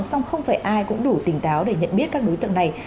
xong không phải ai cũng đủ tỉnh táo để nhận biết các đối tượng này